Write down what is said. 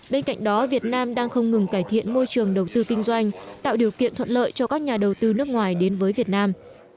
bên cạnh đó việt nam đang không ngừng cải thiện môi trường đầu tư kinh doanh tạo điều kiện thuận lợi cho các nhà đầu tư nước ngoài đến với việt nam